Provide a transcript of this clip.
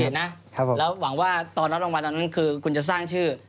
เห็นนะแล้วหวังว่าตอนนั้นคือคุณจะสร้างชื่อ